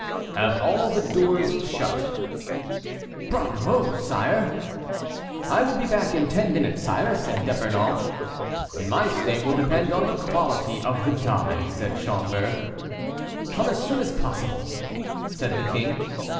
"Have all the doors shut." "Bravo! sire." "I will be back in ten minutes, sire," said D'Epernon. "And my stay will depend on the quality of the dye," said Schomberg. "Come as soon as possible," said the king.